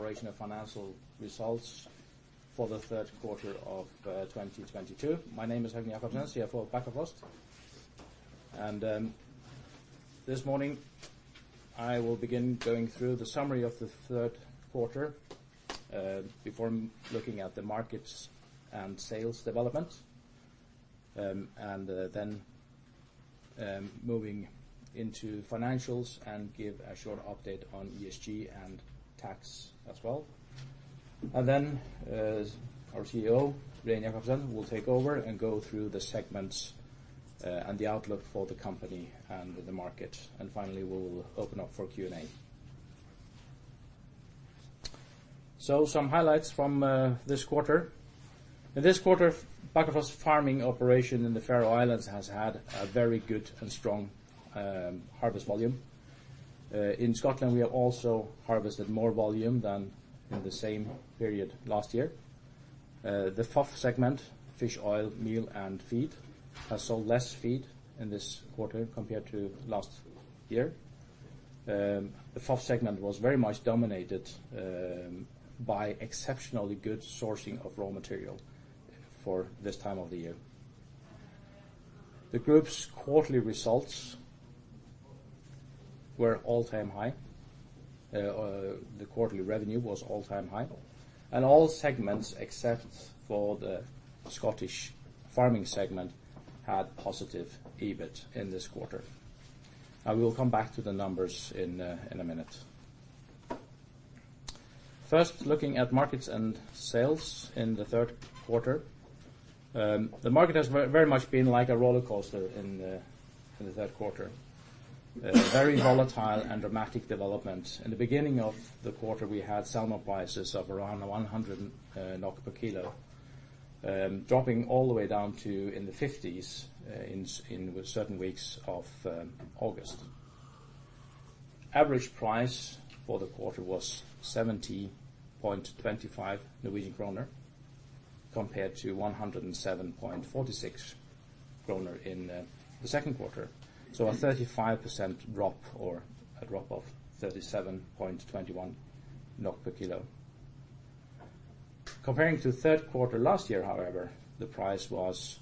Operational financial results for the third quarter of 2022. My name is Høgni Jakobsen, CFO of Bakkafrost. This morning, I will begin going through the summary of the third quarter before looking at the markets and sales development, then moving into financials and give a short update on ESG and tax as well. Then, our CEO, Regin Jacobsen, will take over and go through the segments and the outlook for the company and the market. Finally, we will open up for Q&A. Some highlights from this quarter. In this quarter, Bakkafrost farming operation in the Faroe Islands has had a very good and strong harvest volume. In Scotland, we have also harvested more volume than in the same period last year. The FOF segment, fish oil, meal, and feed, has sold less feed in this quarter compared to last year. The FOF segment was very much dominated by exceptionally good sourcing of raw material for this time of the year. The group's quarterly results were all-time high. The quarterly revenue was all-time high. All segments except for the Scottish farming segment had positive EBIT in this quarter. I will come back to the numbers in a minute. First, looking at markets and sales in the third quarter. The market has very much been like a rollercoaster in the third quarter. Very volatile and dramatic development. In the beginning of the quarter, we had salmon prices of around 100 NOK per kilo, dropping all the way down to in the 50s with certain weeks of August. Average price for the quarter was 70.25 Norwegian kroner, compared to 107.46 kroner in the second quarter. A 35% drop or a drop of 37.21 per kilo. Comparing to third quarter last year, however, the price was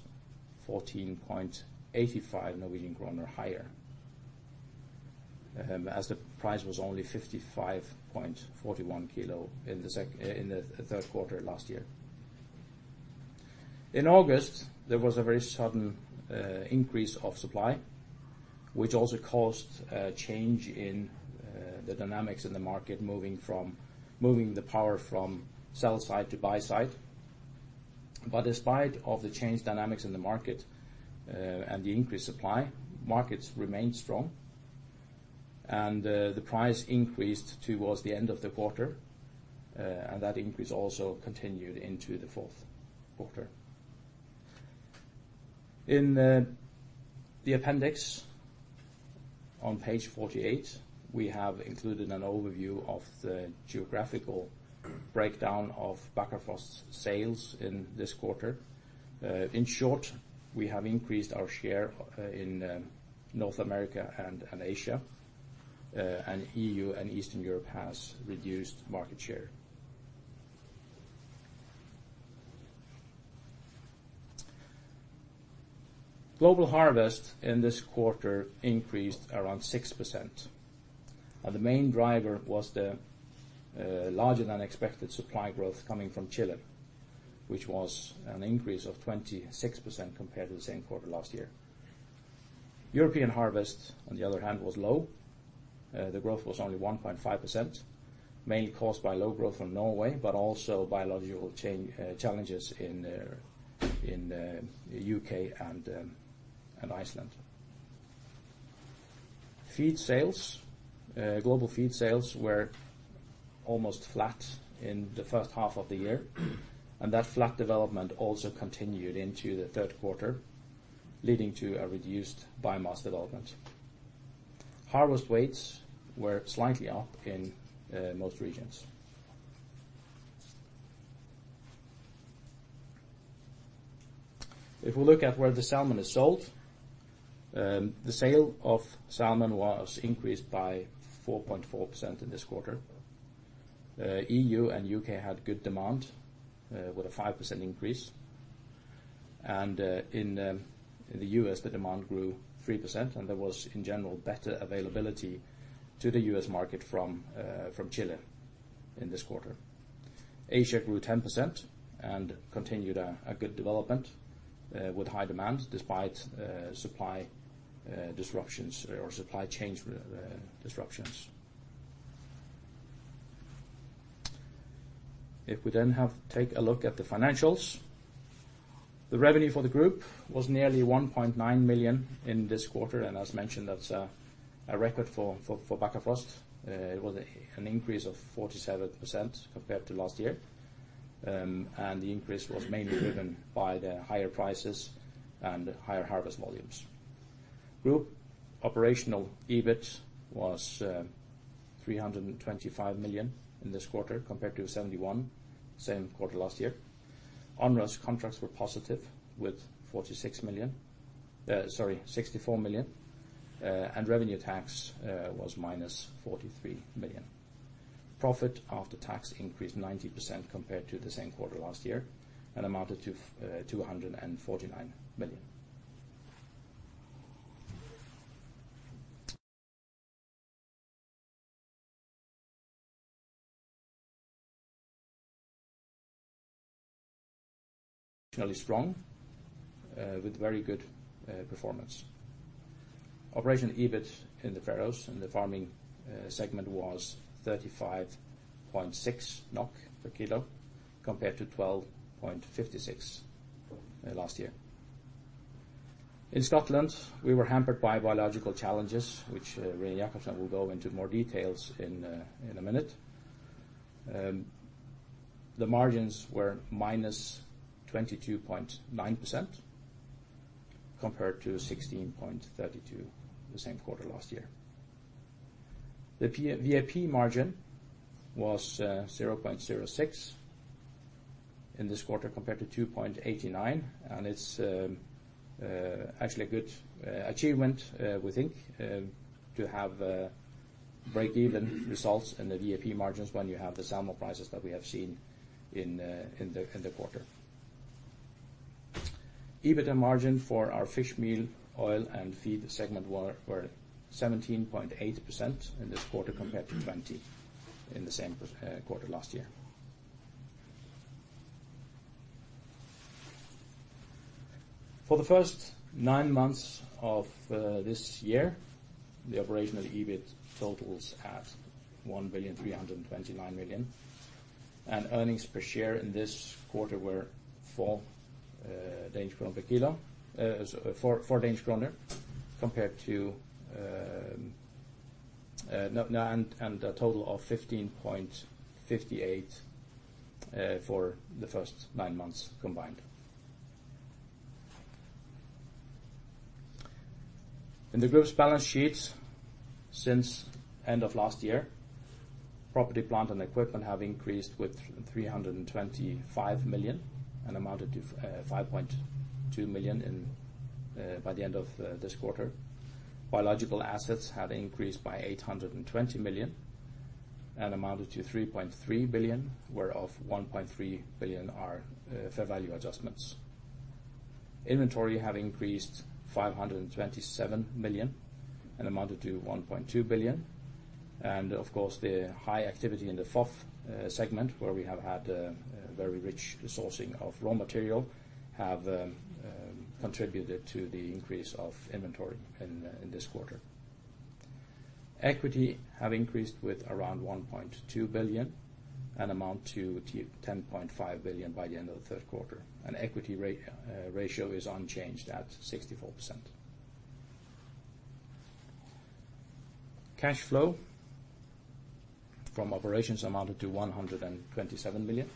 14.85 Norwegian kroner higher, as the price was only 55.41 in the third quarter last year. In August, there was a very sudden increase of supply, which also caused a change in the dynamics in the market moving the power from sell side to buy side. Despite of the change dynamics in the market, and the increased supply, markets remained strong, and the price increased towards the end of the quarter, and that increase also continued into the fourth quarter. In the appendix on page 48, we have included an overview of the geographical breakdown of Bakkafrost's sales in this quarter. In short, we have increased our share in North America and in Asia, and EU and Eastern Europe has reduced market share. Global harvest in this quarter increased around 6%. The main driver was the larger than expected supply growth coming from Chile, which was an increase of 26% compared to the same quarter last year. European harvest, on the other hand, was low. The growth was only 1.5%, mainly caused by low growth from Norway, but also biological challenges in the U.K. and Iceland. Feed sales. Global feed sales were almost flat in the first half of the year. That flat development also continued into the third quarter, leading to a reduced biomass development. Harvest weights were slightly up in most regions. If we look at where the salmon is sold, the sale of salmon was increased by 4.4% in this quarter. EU and U.K. had good demand with a 5% increase, and in the U.S., the demand grew 3% and there was in general better availability to the U.S. market from Chile in this quarter. Asia grew 10% and continued a good development with high demand despite supply disruptions or supply chain disruptions. The revenue for the group was nearly 1.9 million in this quarter, and as mentioned, that's a record for Bakkafrost. It was an increase of 47% compared to last year, the increase was mainly driven by the higher prices and higher harvest volumes. Group operational EBIT was 325 million in this quarter compared to 71 million same quarter last year. Onerous contracts were positive with 46 million. Sorry, 64 million. Revenue tax was -43 million. Profit after tax increased 90% compared to the same quarter last year, and amounted to 249 million. Really strong with very good performance. Operational EBIT in the Faroes, in the farming segment was 35.6 NOK per kilo, compared to 12.56 per kilo last year. In Scotland, we were hampered by biological challenges, which Regin Jacobsen will go into more details in a minute. The margins were -22.9% compared to 16.32% the same quarter last year. The VAP margin was 0.06% in this quarter compared to 2.89%, and it's actually a good achievement, we think, to have breakeven results in the VAP margins when you have the salmon prices that we have seen in the quarter. EBITDA margin for our fish meal, oil, and feed segment were 17.8% in this quarter compared to 20% in the same quarter last year. For the first nine months of this year, the operational EBIT totals at 1,329,000,000. Earnings per share in this quarter were 4 Danish kroner compared to a total of 15.58 DKK for the first nine months combined. In the group's balance sheets since end of last year, property, plant, and equipment have increased with 325 million and amounted to 5.2 million by the end of this quarter. Biological assets have increased by 820 million and amounted to 3.3 billion, whereof 1.3 billion are fair value adjustments. Inventory have increased 527 million and amounted to 1.2 billion. Of course, the high activity in the FOF segment where we have had a very rich sourcing of raw material, have contributed to the increase of inventory in this quarter. Equity have increased with around 1.2 billion and amount to 10.5 billion by the end of the third quarter. Equity ratio is unchanged at 64%. Cash flow from operations amounted to 127 million.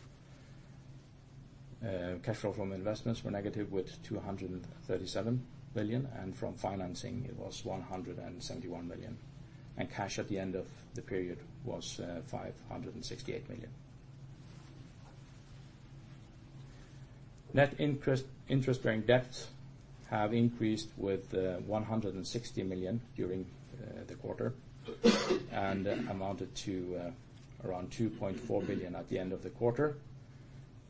Cash flow from investments were negative with 237 million, and from financing it was 171 million. Cash at the end of the period was 568 million. Net interest-bearing debts have increased with 160 million during the quarter and amounted to around 2.4 billion at the end of the quarter.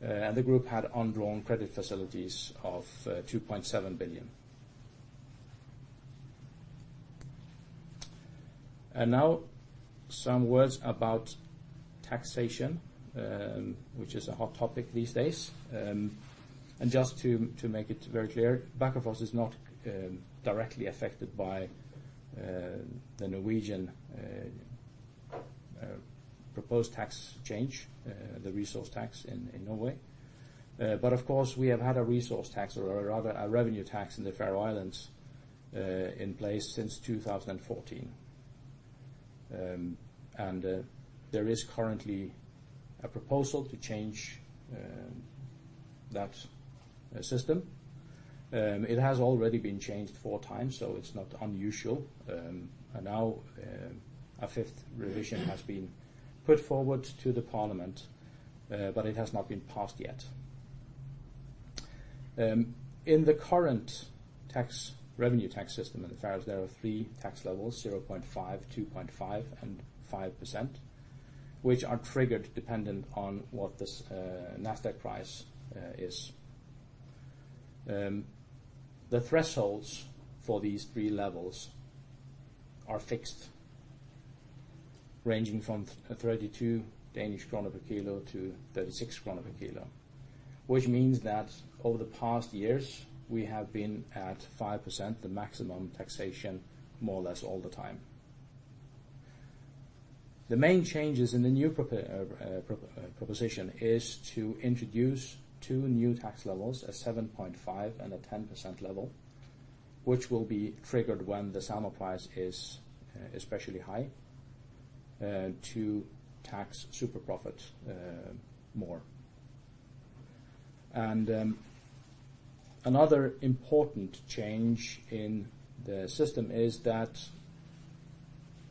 The group had undrawn credit facilities of 2.7 billion. Now some words about taxation, which is a hot topic these days. Just to make it very clear, Bakkafrost is not directly affected by the Norwegian proposed tax change, the resource tax in Norway. Of course, we have had a resource tax or rather a revenue tax in the Faroe Islands, in place since 2014. There is currently a proposal to change that system. It has already been changed four times, so it's not unusual. Now, a fifth revision has been put forward to the parliament, but it has not been passed yet. In the current revenue tax system in the Faroes, there are 3 tax levels, 0.5%, 2.5%, and 5%, which are triggered dependent on what the Nasdaq price is. The thresholds for these 3 levels are fixed, ranging from 32 DKK-36 DKK per kilo, which means that over the past years we have been at 5%, the maximum taxation more or less all the time. The main changes in the new proposition is to introduce 2 new tax levels at 7.5% and a 10% level, which will be triggered when the salmon price is especially high, to tax super profit more. Another important change in the system is that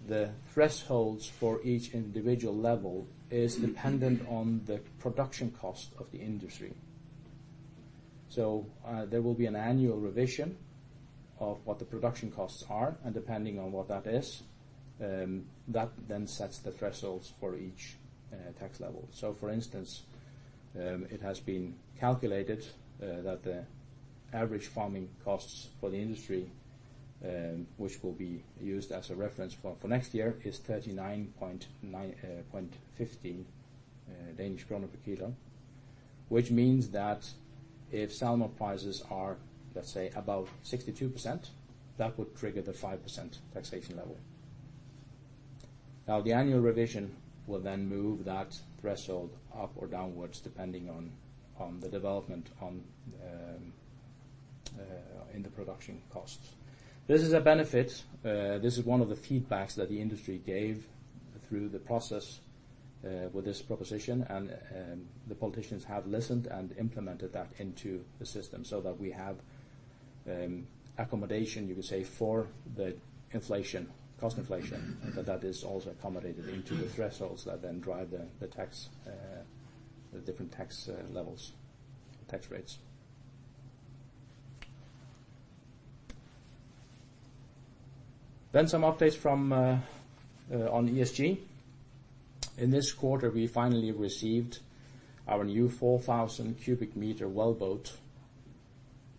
The thresholds for each individual level is dependent on the production cost of the industry. There will be an annual revision of what the production costs are, and depending on what that is, that then sets the thresholds for each tax level. For instance, it has been calculated that the average farming costs for the industry, which will be used as a reference for next year, is 39.50 Danish krone per kilo, which means that if salmon prices are, let's say, above 62%, that would trigger the 5% taxation level. The annual revision will then move that threshold up or downwards depending on the development in the production costs. This is a benefit. This is one of the feedbacks that the industry gave through the process with this proposition, and the politicians have listened and implemented that into the system so that we have accommodation, you could say, for the cost inflation, and that is also accommodated into the thresholds that then drive the different tax rates. Some updates on ESG. In this quarter, we finally received our new 4,000 cubic meter well boat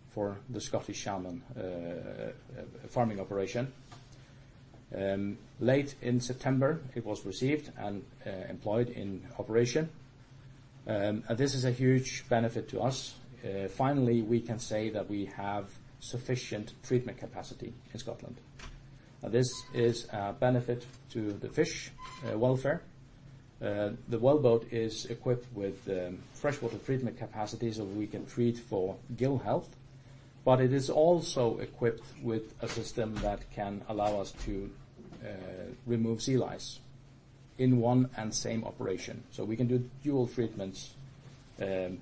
for the Scottish salmon farming operation. Late in September, it was received and employed in operation. This is a huge benefit to us. Finally, we can say that we have sufficient treatment capacity in Scotland. This is a benefit to the fish welfare. The well boat is equipped with freshwater treatment capacity so we can treat for gill health, but it is also equipped with a system that can allow us to remove sea lice in one and same operation. We can do dual treatments in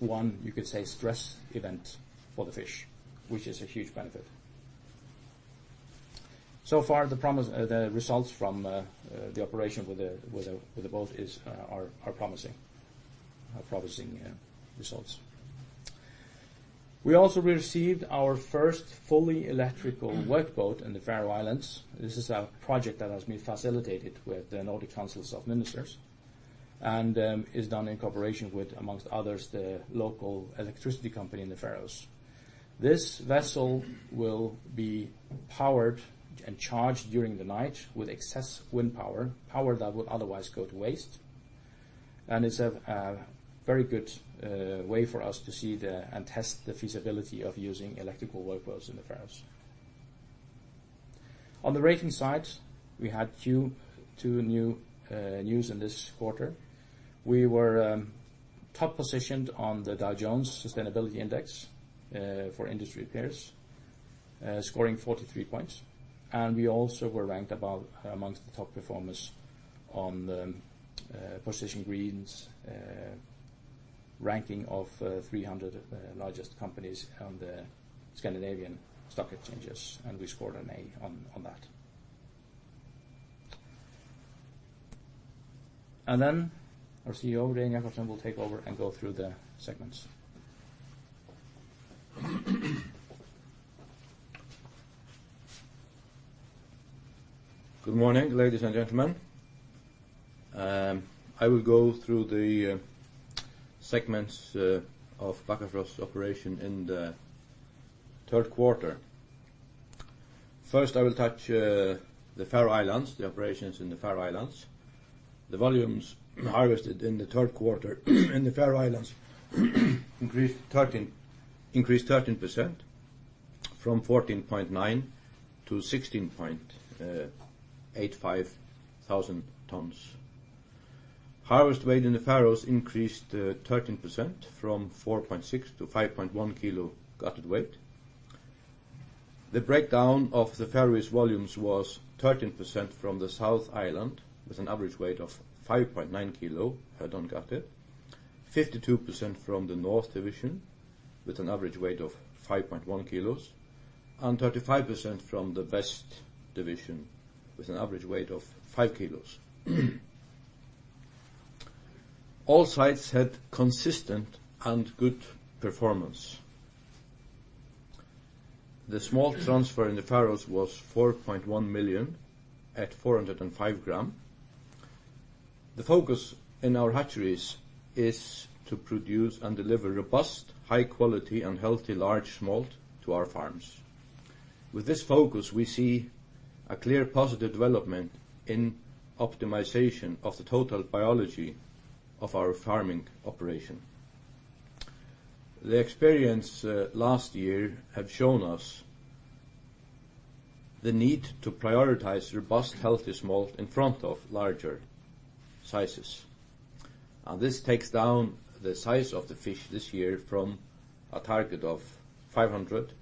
one, you could say, stress event for the fish, which is a huge benefit. So far, the results from the operation with the boat are promising results. We also received our first fully electrical work boat in the Faroe Islands. This is a project that has been facilitated with the Nordic Council of Ministers and is done in cooperation with, amongst others, the local electricity company in the Faroes. This vessel will be powered and charged during the night with excess wind power that would otherwise go to waste. It's a very good way for us to see and test the feasibility of using electrical work boats in the Faroes. On the rating side, we had two new news in this quarter. We were top-positioned on the Dow Jones Sustainability Index for industry peers, scoring 43 points. We also were ranked amongst the top performers on the Position Green ranking of 300 largest companies on the Scandinavian stock exchanges, and we scored an A on that. Our CEO, Regin Jacobsen, will take over and go through the segments. Good morning, ladies and gentlemen. I will go through the segments of Bakkafrost's operation in the third quarter. First, I will touch the Faroe Islands, the operations in the Faroe Islands. The volumes harvested in the third quarter in the Faroe Islands increased 13% from 14.9 thousand tons-16.85 thousand tons. Harvest weight in the Faroes increased 13%, from 4.6 kilo-5.1 kilo gutted weight. The breakdown of the Faroese volumes was 13% from the south island, with an average weight of 5.9 kilo head-on gutted, 52% from the north division, with an average weight of 5.1 kilos, and 35% from the west division, with an average weight of five kilos. All sites had consistent and good performance. The smolt transfer in the Faroes was 4.1 million at 405 gram. The focus in our hatcheries is to produce and deliver robust, high quality, and healthy large smolt to our farms. With this focus, we see a clear positive development in optimization of the total biology of our farming operation. The experience last year have shown us the need to prioritize robust, healthy smolt in front of larger sizes. This takes down the size of the fish this year from a target of 500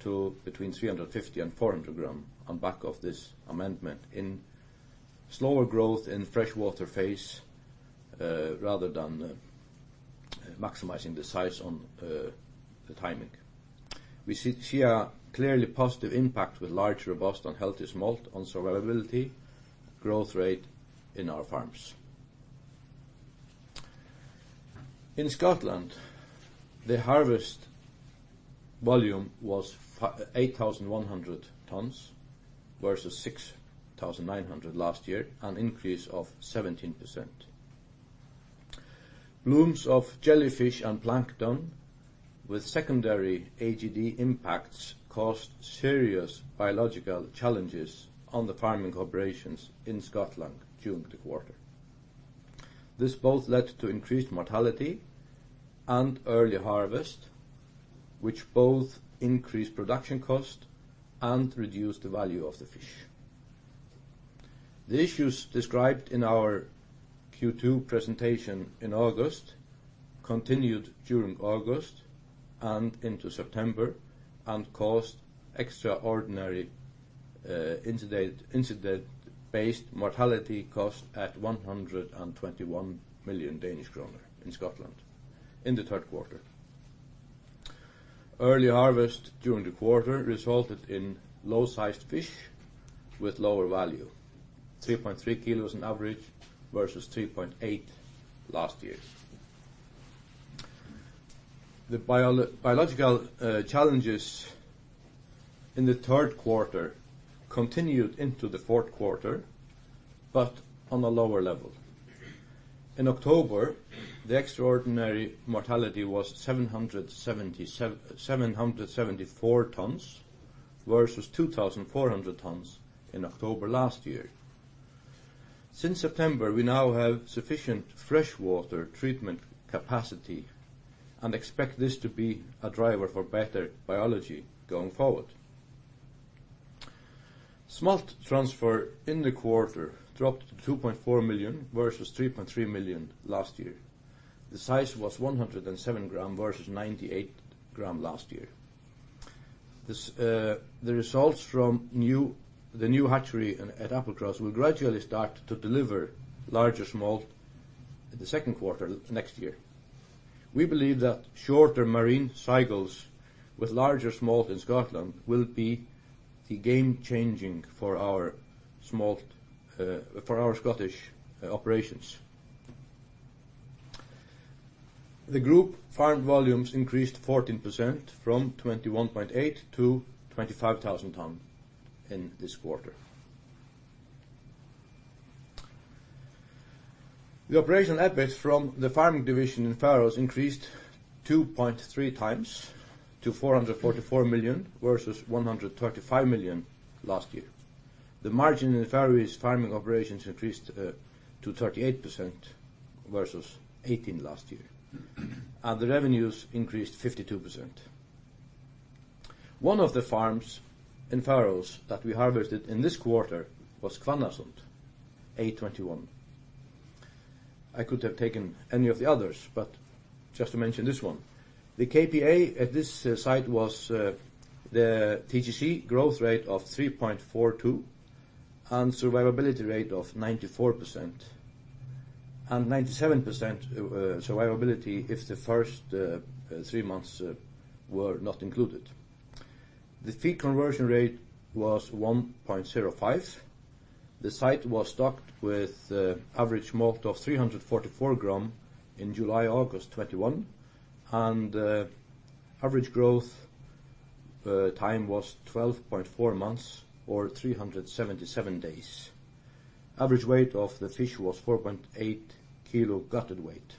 to between 350 and 400 gram on back of this amendment in slower growth in freshwater phase, rather than maximizing the size on the timing. We see a clearly positive impact with large, robust, and healthy smolt on survivability, growth rate in our farms. In Scotland, the harvest volume was 8,100 tons versus 6,900 last year, an increase of 17%. Blooms of jellyfish and plankton with secondary AGD impacts caused serious biological challenges on the farming operations in Scotland during the quarter. This both led to increased mortality and early harvest, which both increased production cost and reduced the value of the fish. The issues described in our Q2 presentation in August continued during August and into September and caused extraordinary incident-based mortality cost at 121 million Danish kroner in Scotland in the third quarter. Early harvest during the quarter resulted in low-sized fish with lower value, 3.3 kilos on average versus 3.8 last year. The biological challenges in the third quarter continued into the fourth quarter, but on a lower level. In October, the extraordinary mortality was 774 tons versus 2,400 tons in October last year. Since September, we now have sufficient freshwater treatment capacity and expect this to be a driver for better biology going forward. Smolt transfer in the quarter dropped to 2.4 million versus 3.3 million last year. The size was 107 gram versus 98 gram last year. The results from the new hatchery at Applecross will gradually start to deliver larger smolt in the second quarter next year. We believe that shorter marine cycles with larger smolt in Scotland will be the game-changing for our Scottish operations. The group farmed volumes increased 14% from 21,800 tons to 25,000 tons in this quarter. The operational EBIT from the farming division in Faroes increased 2.3 times to 444 million versus 135 million last year. The margin in the Faroes farming operations increased to 38% versus 18% last year. The revenues increased 52%. One of the farms in Faroes that we harvested in this quarter was Hvannasund, A-21. I could have taken any of the others, but just to mention this one. The KPI at this site was the TGC growth rate of 3.42 and survivability rate of 94%, and 97% survivability if the first three months were not included. The feed conversion rate was 1.05. The site was stocked with average smolt of 344 grams in July, August 2021, and average growth time was 12.4 months or 377 days. Average weight of the fish was 4.8 kg gutted weight,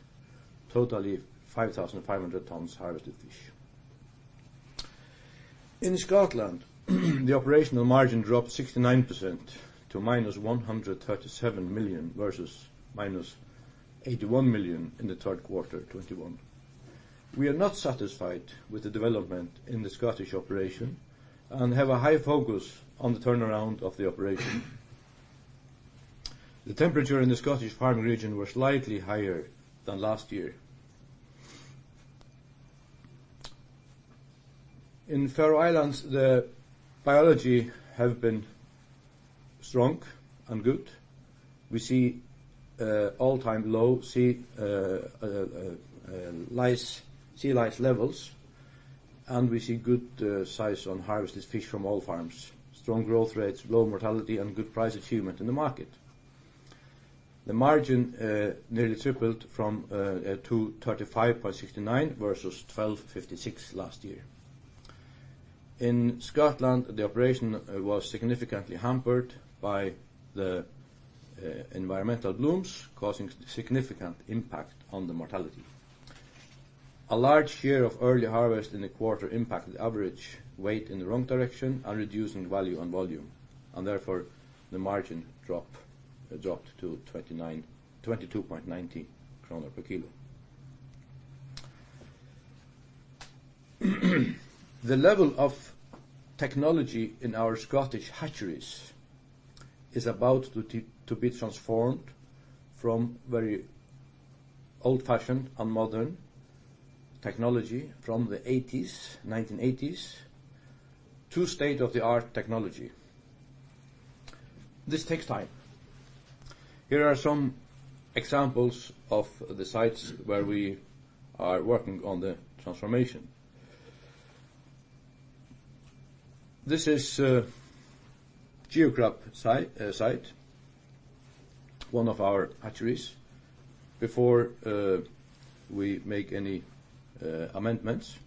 totally 5,500 tons harvested fish. In Scotland, the operational margin dropped 69% to minus 137 million versus minus 81 million in the third quarter 2021. We are not satisfied with the development in the Scottish operation and have a high focus on the turnaround of the operation. The temperature in the Scottish farming region was slightly higher than last year. In Faroe Islands, the biology have been strong and good. We see all-time low sea lice levels, and we see good size on harvested fish from all farms. Strong growth rates, low mortality, and good price achievement in the market. The margin nearly tripled from DKK 36.60 per kg versus 12.56 per kg last year. In Scotland, the operation was significantly hampered by the environmental blooms, causing significant impact on the mortality. A large share of early harvest in the quarter impacted average weight in the wrong direction and reducing value on volume, and therefore the margin dropped to 22.90 kroner per kilo. The level of technology in our Scottish hatcheries is about to be transformed from very old-fashioned and modern technology from the 1980s to state-of-the-art technology. This takes time. Here are some examples of the sites where we are working on the transformation. This is Gjógv site, one of our hatcheries before we make any amendments.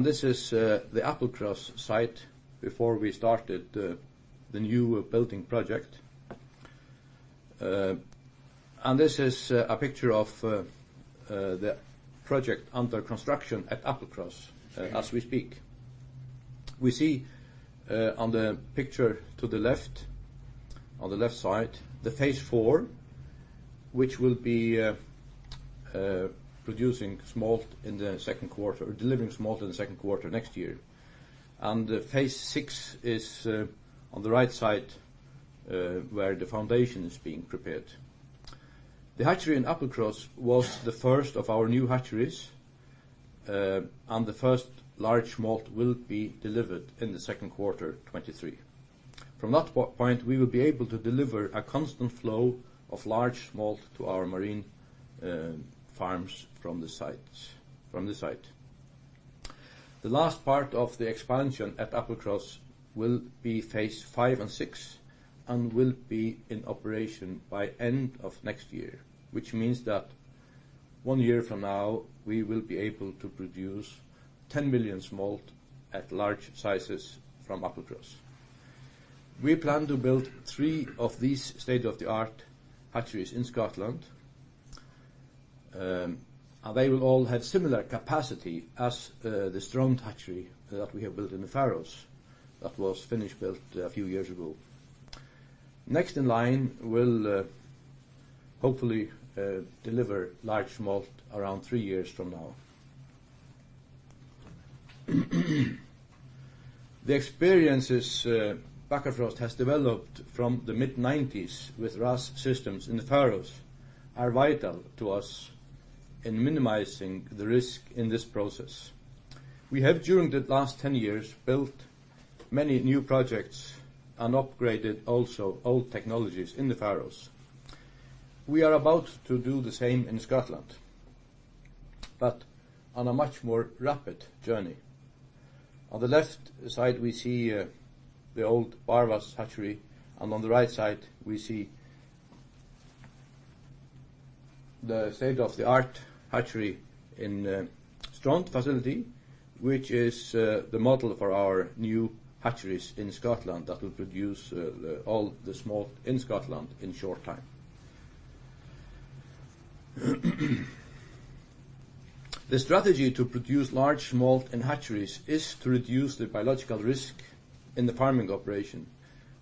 This is the Applecross site before we started the new building project. This is a picture of the project under construction at Applecross as we speak. We see on the picture to the left, on the left side, the phase 4, which will be producing smolt in the second quarter, delivering smolt in the second quarter next year. Phase 6 is on the right side, where the foundation is being prepared. The hatchery in Applecross was the first of our new hatcheries, and the first large smolt will be delivered in the second quarter 2023. From that point, we will be able to deliver a constant flow of large smolt to our marine farms from the site. The last part of the expansion at Applecross will be phase 5 and 6 and will be in operation by end of next year, which means that one year from now, we will be able to produce 10 million smolt at large sizes from Applecross. We plan to build three of these state-of-the-art hatcheries in Scotland. They will all have similar capacity as the Strond hatchery that we have built in the Faroes, that was finished built a few years ago. Next in line will hopefully deliver large smolt around 3 years from now. The experiences Bakkafrost has developed from the mid-'90s with RAS systems in the Faroes are vital to us in minimizing the risk in this process. We have, during the last 10 years, built many new projects and upgraded also old technologies in the Faroes. We are about to do the same in Scotland, but on a much more rapid journey. On the left side, we see the old Barvas hatchery, and on the right side, we see the state-of-the-art hatchery in Strond facility, which is the model for our new hatcheries in Scotland that will produce all the smolt in Scotland in short time. The strategy to produce large smolt in hatcheries is to reduce the biological risk in the farming operation.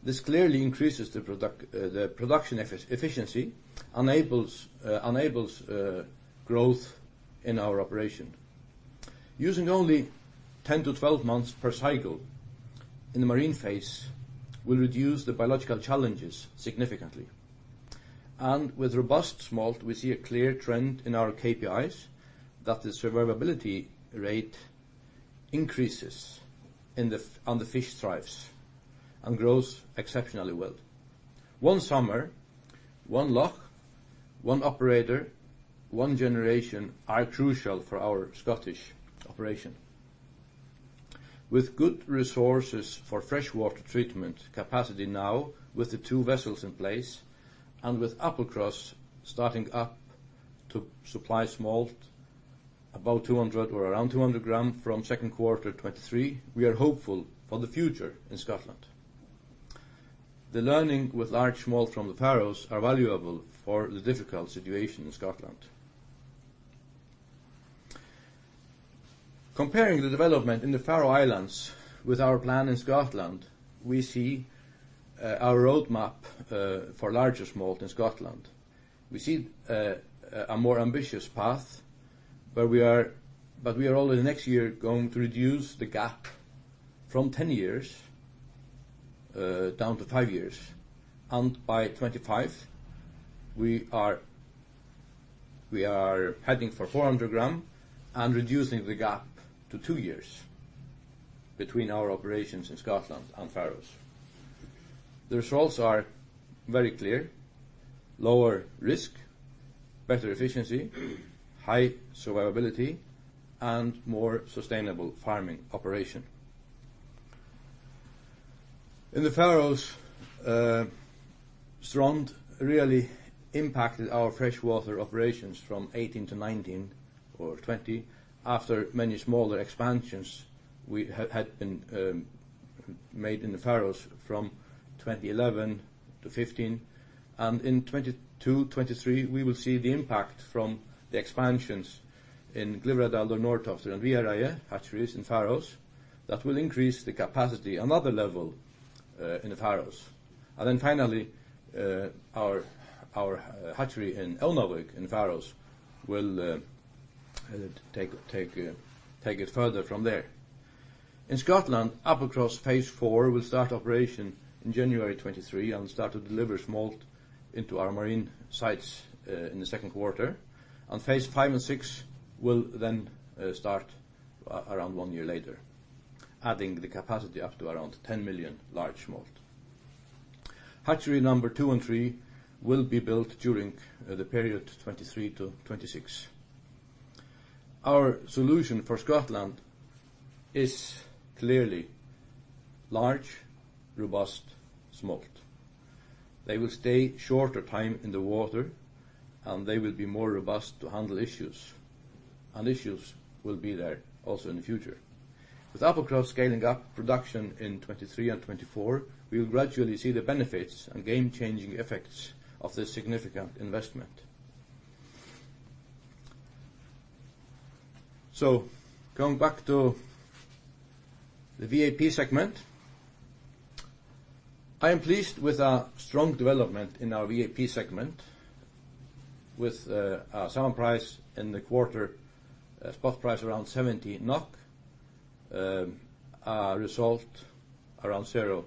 This clearly increases the production efficiency, enables growth in our operation. Using only 10 to 12 months per cycle in the marine phase will reduce the biological challenges significantly. With robust smolt, we see a clear trend in our KPIs that the survivability rate increases and the fish thrives and grows exceptionally well. One summer, one loch, one operator, one generation are crucial for our Scottish operation. With good resources for freshwater treatment capacity now with the two vessels in place, and with Applecross starting up to supply smolt about 200 or around 200 gram from second quarter 2023, we are hopeful for the future in Scotland. The learning with large smolt from the Faroes are valuable for the difficult situation in Scotland. Comparing the development in the Faroe Islands with our plan in Scotland, we see our roadmap for larger smolt in Scotland. We see a more ambitious path, but we are already next year going to reduce the gap from 10 years down to five years. By 2025, we are heading for 400 gram and reducing the gap to two years between our operations in Scotland and Faroes. The results are very clear: lower risk, better efficiency, high survivability, and more sustainable farming operation. In the Faroes, Strond really impacted our freshwater operations from 2018 to 2019 or 2020 after many smaller expansions had been made in the Faroes from 2011 to 2015. In 2022, 2023, we will see the impact from the expansions in Glyvradal, Norðtoftir, and Við Reyni hatcheries in Faroes that will increase the capacity another level in the Faroes. Finally our hatchery in Ónavík in Faroes will take it further from there. In Scotland, Applecross phase 4 will start operation in January 2023 and start to deliver smolt into our marine sites in the second quarter, and phase 5 and 6 will then start around one year later, adding the capacity up to around 10 million large smolt. Hatchery number 2 and 3 will be built during the period 2023 to 2026. Our solution for Scotland is clearly large, robust smolt. They will stay shorter time in the water, and they will be more robust to handle issues. Issues will be there also in the future. With Applecross scaling up production in 2023 and 2024, we will gradually see the benefits and game-changing effects of this significant investment. Coming back to the VAP segment. I am pleased with our strong development in our VAP segment with our salmon price in the quarter, spot price around 70 NOK, a result around zero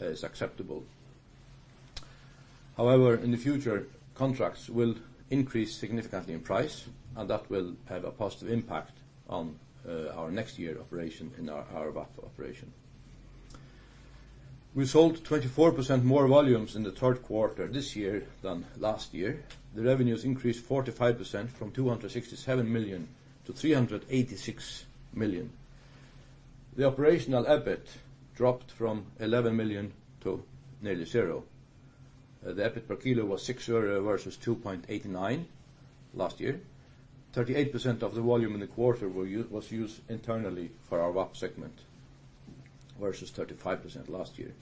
is acceptable. However, in the future, contracts will increase significantly in price, and that will have a positive impact on our next year operation in our VAP operation. We sold 24% more volumes in the third quarter this year than last year. The revenues increased 45% from 267 million to 386 million. The operational EBIT dropped from 11 million to nearly zero. The EBIT per kilo was 6 versus 2.89 last year. 38% of the volume in the quarter was used internally for our VAP segment versus 35% last year.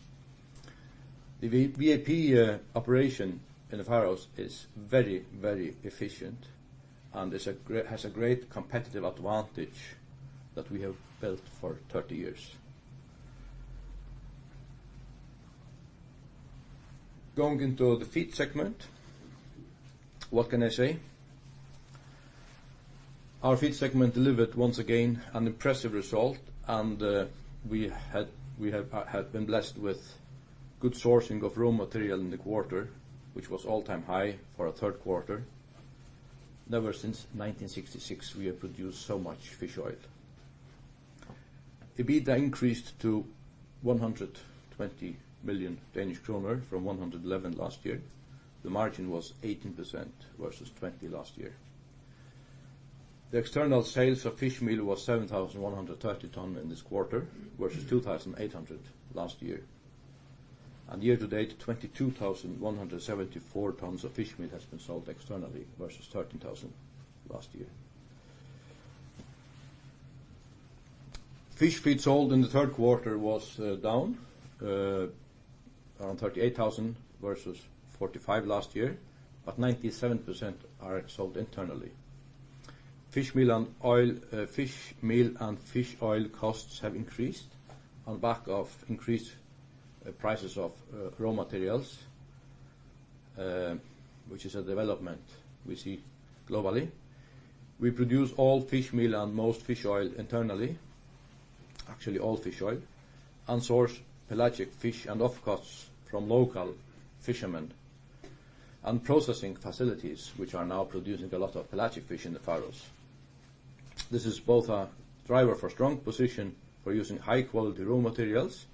The VAP operation in the Faroes is very efficient and has a great competitive advantage that we have built for 30 years. Going into the feed segment. What can I say? Our feed segment delivered once again an impressive result, and we have been blessed with good sourcing of raw material in the quarter, which was all-time high for a third quarter. Never since 1966 we have produced so much fish oil. The EBITDA increased to 120 million Danish kroner from 111 million last year. The margin was 18% versus 20% last year. The external sales of fish meal was 7,130 tons in this quarter versus 2,800 tons last year. Year to date, 22,174 tons of fish meat has been sold externally versus 13,000 tons last year. Fish feed sold in the third quarter was down around 38,000 tons versus 45,000 tons last year, but 97% are sold internally. Fish meal and fish oil costs have increased on back of increased prices of raw materials, which is a development we see globally. We produce all fish meal and most fish oil internally, actually all fish oil, and source pelagic fish and offcuts from local fishermen and processing facilities, which are now producing a lot of pelagic fish in the Faroes. This is both a driver for strong position for using high-quality raw materials,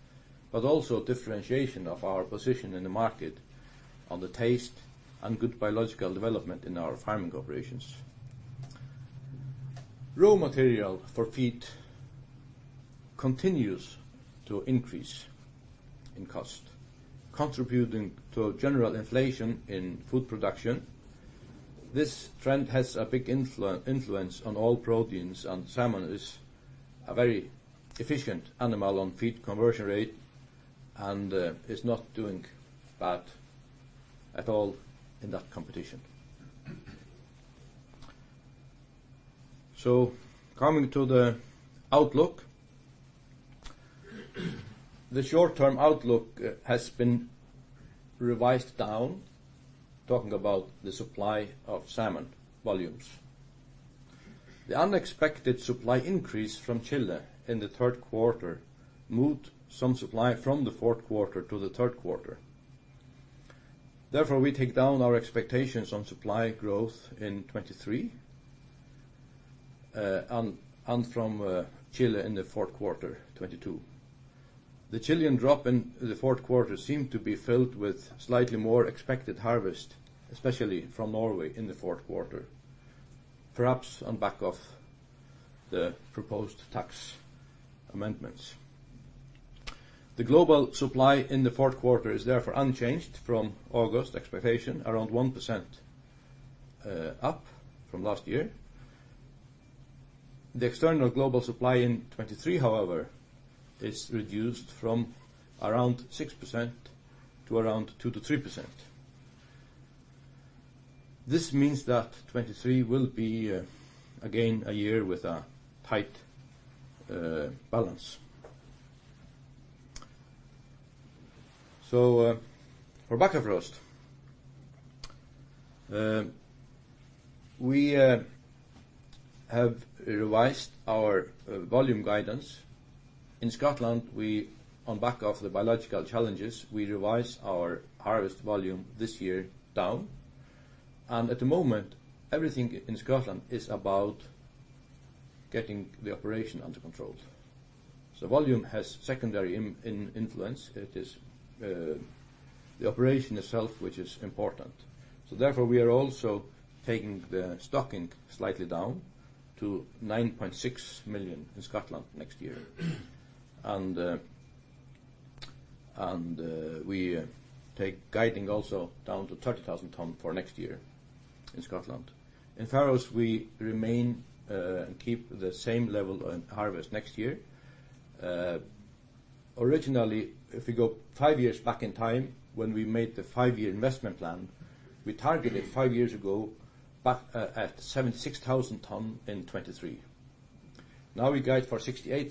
but also differentiation of our position in the market on the taste and good biological development in our farming operations. Raw material for feed continues to increase in cost, contributing to general inflation in food production. This trend has a big influence on all proteins, and salmon is a very efficient animal on feed conversion rate and is not doing bad at all in that competition. Coming to the outlook. The short-term outlook has been revised down, talking about the supply of salmon volumes. The unexpected supply increase from Chile in the third quarter moved some supply from the fourth quarter to the third quarter. Therefore, we take down our expectations on supply growth in 2023 and from Chile in the fourth quarter 2022. The Chilean drop in the fourth quarter seemed to be filled with slightly more expected harvest, especially from Norway in the fourth quarter, perhaps on back of the proposed tax amendments. The global supply in the fourth quarter is therefore unchanged from August expectation, around 1% up from last year. The external global supply in 2023, however, is reduced from around 6% to around 2%-3%. This means that 2023 will be again a year with a tight balance. For Bakkafrost, we have revised our volume guidance. In Scotland, on back of the biological challenges, we revised our harvest volume this year down. At the moment, everything in Scotland is about getting the operation under control. Volume has secondary influence. It is the operation itself which is important. Therefore, we are also taking the stocking slightly down to 9.6 million in Scotland next year. We take guiding also down to 30,000 tons for next year in Scotland. In Faroes, we remain and keep the same level on harvest next year. Originally, if we go five years back in time, when we made the five-year investment plan, we targeted five years ago, back at 76,000 tons in 2023. Now we guide for 68,000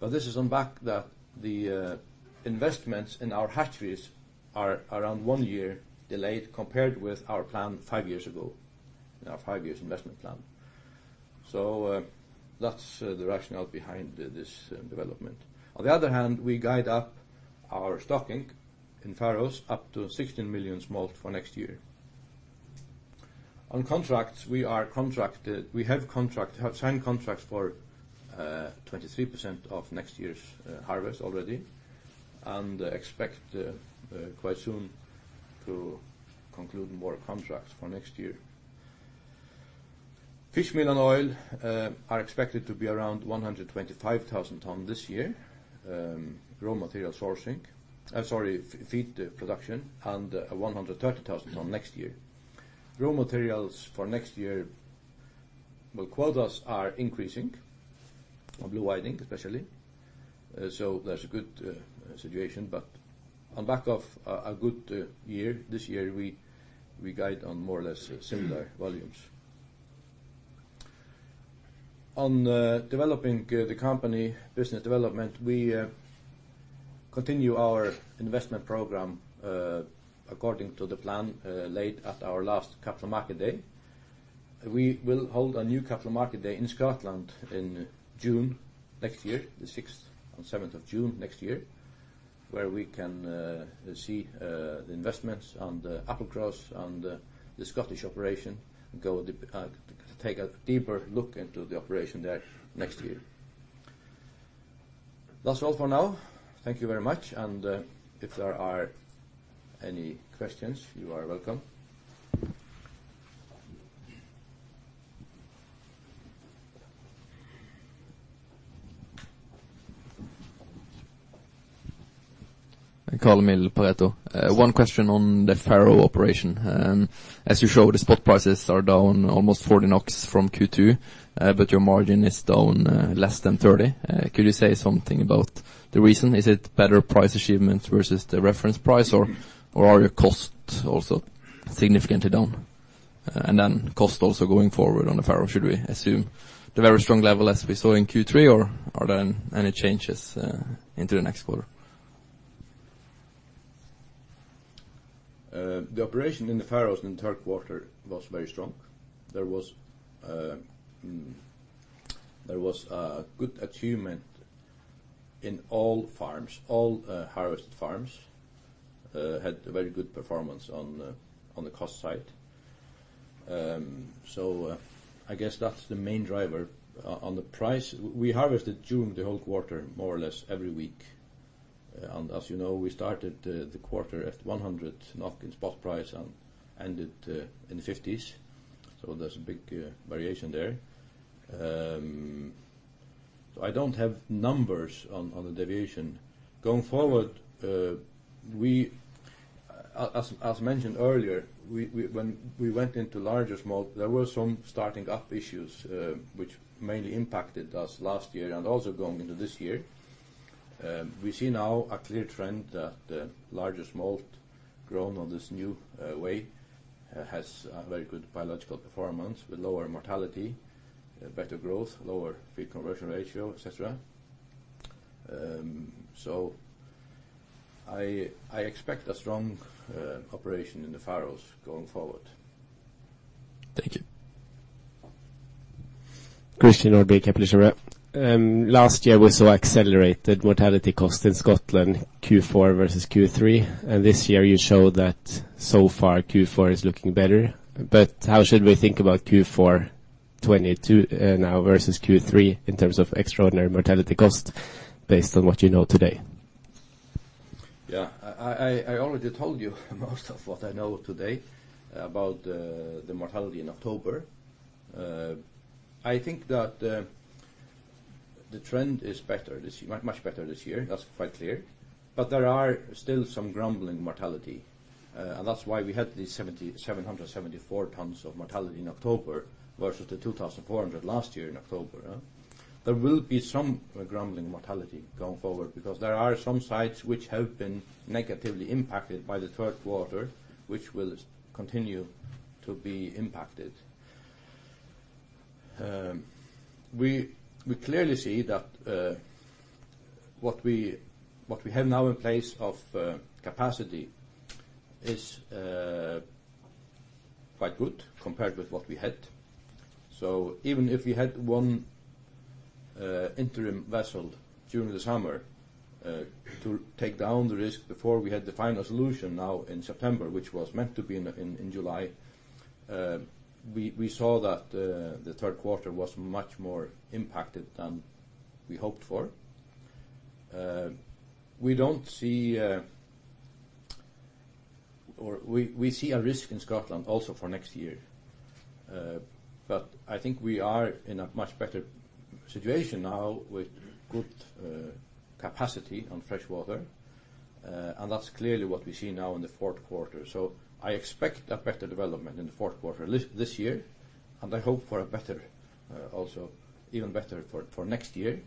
tons. This is on back that the investments in our hatcheries are around one year delayed compared with our plan five years ago, in our five-year investment plan. That's the rationale behind this development. On the other hand, we guide up our stocking in Faroes up to 16 million smolt for next year. On contracts, we have signed contracts for 23% of next year's harvest already, and expect quite soon to conclude more contracts for next year. Fish meal and oil are expected to be around 125,000 tons this year, raw material sourcing, sorry, feed production, and 130,000 tons next year. Raw materials for next year, quotas are increasing on blue whiting especially. That's a good situation. On back of a good year this year, we guide on more or less similar volumes. On developing the company business development, we continue our investment program, according to the plan laid at our last Capital Market Day. We will hold a new Capital Market Day in Scotland in June next year, the sixth and seventh of June next year, where we can see the investments on the Applecross and the Scottish operation go, take a deeper look into the operation there next year. That's all for now. Thank you very much. If there are any questions, you are welcome. Carl-Emil Kjølås Johannessen. One question on the Faroe operation. As you show, the spot prices are down almost 40 NOK from Q2, but your margin is down less than 30. Could you say something about the reason? Is it better price achievements versus the reference price, or are your costs also significantly down? Then cost also going forward on the Faroe, should we assume the very strong level as we saw in Q3? Or are there any changes into the next quarter? The operation in the Faroes in third quarter was very strong. There was a good achievement in all farms. All harvest farms had a very good performance on the cost side. I guess that's the main driver. On the price, we harvested during the whole quarter, more or less every week. As you know, we started the quarter at 100 NOK in spot price and ended in the 50s. There's a big variation there. I don't have numbers on the deviation. Going forward, as mentioned earlier, when we went into larger smolt, there were some starting up issues, which mainly impacted us last year and also going into this year. We see now a clear trend that the larger smolt grown on this new way has a very good biological performance with lower mortality, better growth, lower feed conversion ratio, et cetera. I expect a strong operation in the Faroes going forward. Thank you. Christian Nordby, Kepler Cheuvreux. Last year, we saw accelerated mortality cost in Scotland, Q4 versus Q3. This year you showed that so far Q4 is looking better. But how should we think about Q4 2022 now versus Q3 in terms of extraordinary mortality cost based on what you know today? Yeah. I already told you most of what I know today about the mortality in October. I think that the trend is better this year, much better this year. That's quite clear. There are still some grumbling mortality. That's why we had these 774 tons of mortality in October versus the 2,400 last year in October. There will be some grumbling mortality going forward because there are some sites which have been negatively impacted by the third quarter, which will continue to be impacted. We clearly see that what we have now in place of capacity is quite good compared with what we had. Even if we had one Interim vessel during the summer to take down the risk before we had the final solution now in September, which was meant to be in July. We saw that the third quarter was much more impacted than we hoped for. We see a risk in Scotland also for next year. I think we are in a much better situation now with good capacity on freshwater. That's clearly what we see now in the fourth quarter. I expect a better development in the fourth quarter this year, and I hope for even better for next year.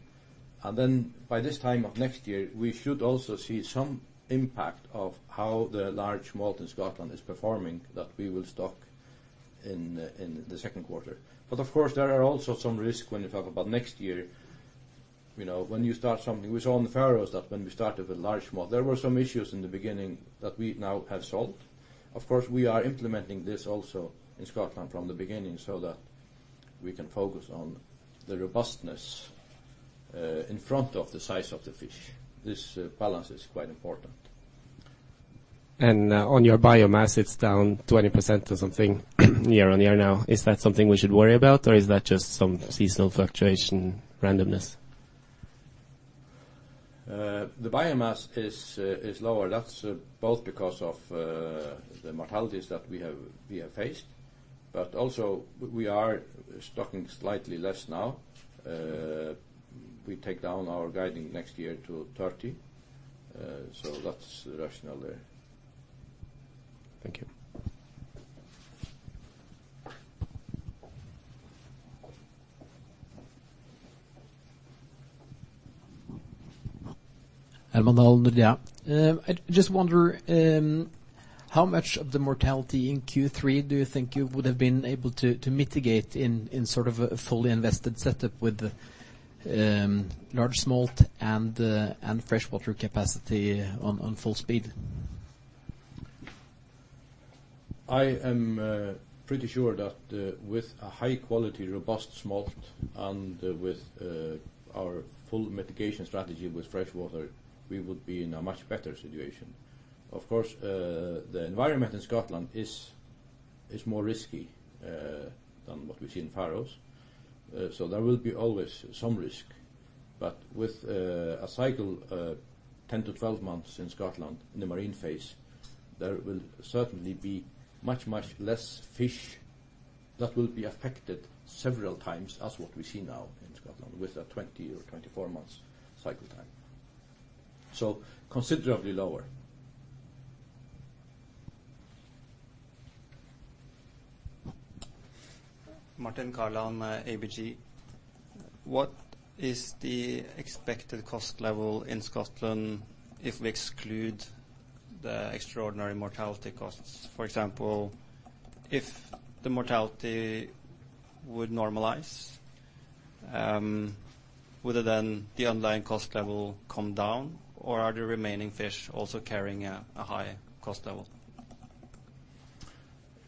By this time of next year, we should also see some impact of how the large smolt in Scotland is performing that we will stock in the second quarter. Of course, there are also some risk when you talk about next year. We saw on the Faroes that when we started with large smolt, there were some issues in the beginning that we now have solved. Of course, we are implementing this also in Scotland from the beginning so that we can focus on the robustness in front of the size of the fish. This balance is quite important. On your biomass, it's down 20% or something year-on-year now. Is that something we should worry about or is that just some seasonal fluctuation randomness? The biomass is lower. That's both because of the mortalities that we have faced, but also we are stocking slightly less now. We take down our guiding next year to 30. That's rational there. Thank you. Herman Dahl, Nordea. I just wonder how much of the mortality in Q3 do you think you would have been able to mitigate in sort of a fully invested setup with large smolt and freshwater capacity on full speed? I am pretty sure that with a high-quality, robust smolt and with our full mitigation strategy with freshwater, we would be in a much better situation. Of course, the environment in Scotland is more risky than what we see in Faroes. There will be always some risk. With a cycle of 10 to 12 months in Scotland in the marine phase, there will certainly be much, much less fish that will be affected several times as what we see now in Scotland with a 20 or 24 months cycle time. Considerably lower. Martin Kaland, ABG. What is the expected cost level in Scotland if we exclude the extraordinary mortality costs? For example, if the mortality would normalize, would then the underlying cost level come down or are the remaining fish also carrying a high cost level?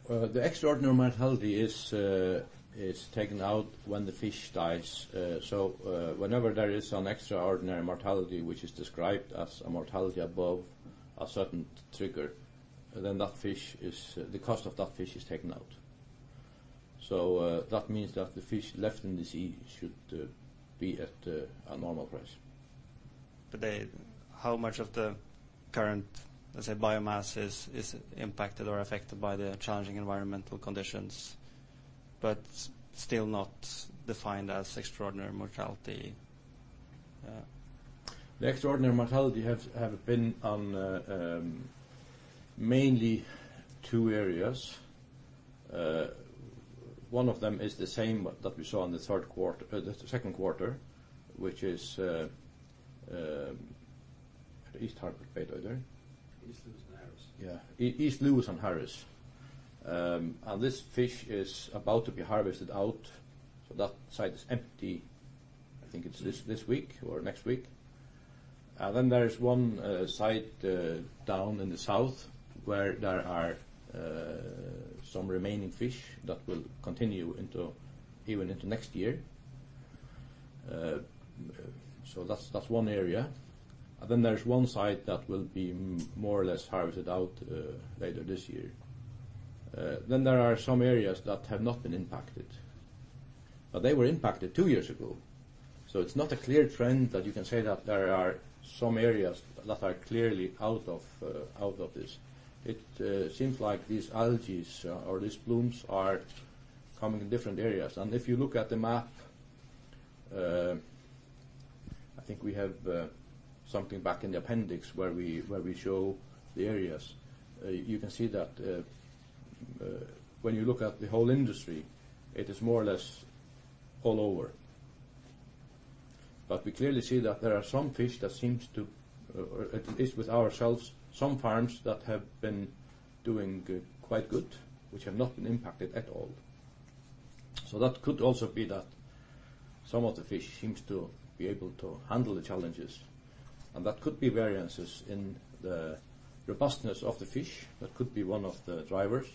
The extraordinary mortality is taken out when the fish dies. Whenever there is an extraordinary mortality which is described as a mortality above a certain trigger, then the cost of that fish is taken out. That means that the fish left in the sea should be at a normal price. How much of the current, let's say, biomass is impacted or affected by the challenging environmental conditions but still not defined as extraordinary mortality? The extraordinary mortality have been on mainly two areas. One of them is the same that we saw in the second quarter, which is East Harris. East Lewis and Harris. Yeah. East Lewis and Harris. This fish is about to be harvested out, so that site is empty. I think it's this week or next week. Then there is one site down in the south where there are some remaining fish that will continue even into next year. That's one area. Then there's one site that will be more or less harvested out later this year. There are some areas that have not been impacted. They were impacted two years ago. It's not a clear trend that you can say that there are some areas that are clearly out of this. It seems like these algae or these blooms are coming in different areas. If you look at the map, I think we have something back in the appendix where we show the areas. You can see that when you look at the whole industry, it is more or less all over. We clearly see that there are some fish that, or at least with ourselves, some farms that have been doing quite good, which have not been impacted at all. That could also be that some of the fish seems to be able to handle the challenges, and that could be variances in the robustness of the fish. That could be one of the drivers.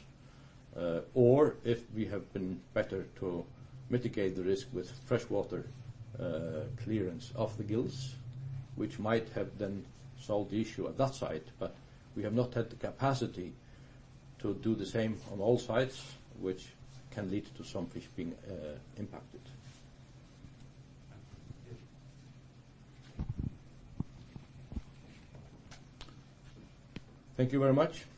If we have been better to mitigate the risk with freshwater clearance of the gills, which might have then solved the issue at that site. We have not had the capacity to do the same on all sites, which can lead to some fish being impacted. Thank you. Thank you very much.